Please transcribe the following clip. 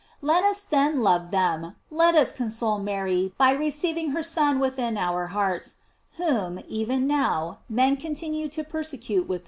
Let us then love them, let us console Mary by receiving her Son within our hearts, whom, even now, men continue to perse cute with their sins.